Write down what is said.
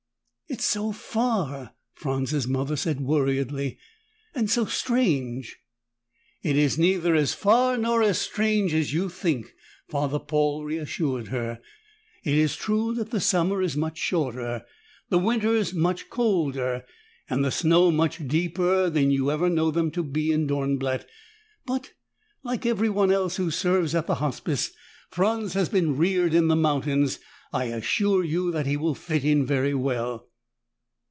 "It's so far," Franz's mother said worriedly, "and so strange." "It is neither as far nor as strange as you think," Father Paul reassured her. "It is true that the summer is much shorter, the winters much colder and the snow much deeper than you ever know them to be in Dornblatt. But, like everyone else who serves at the Hospice, Franz has been reared in the mountains. I assure you that he will fit in very well."